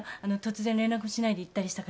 突然連絡しないで行ったりしたからさ。